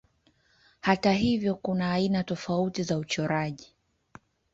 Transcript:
Hata hivyo kuna aina tofauti za uchoraji.